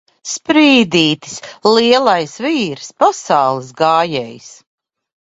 Sprīdītis! Lielais vīrs! Pasaules gājējs!